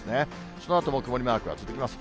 そのあとも曇りマークが続きます。